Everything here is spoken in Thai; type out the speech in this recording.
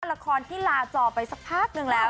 หลักฐานที่ลาจอไปสักพักนึงแล้ว